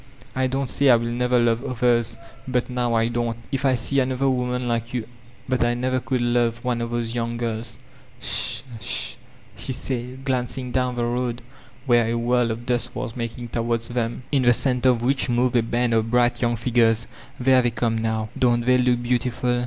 I don't say Til never love others, but now I don't ; if I see another woman like you — But I never could love one of those young girls." "Sh — sh," she said glancing down the road where a whirl of dust was making towards them, in the center of which moved a band of bright young figures, "there they come now. Don't they look beautiful?''